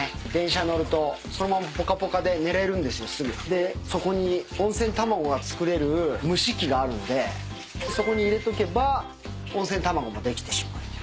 でそこに温泉卵が作れる蒸し器があるんでそこに入れとけば温泉卵もできてしまうという。